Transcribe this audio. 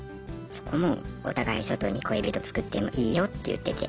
そこもお互い外に恋人作ってもいいよって言ってて。